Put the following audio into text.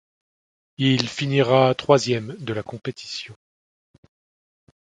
Il finira troisième de la compétition.